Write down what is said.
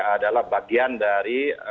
adalah bagian dari